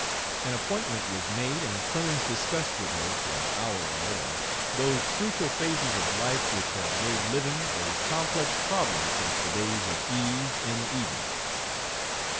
An appointment was made and Clemens discussed with her, for an hour or more, those crucial phases of life which have made living a complex problem since the days of Eve in Eden.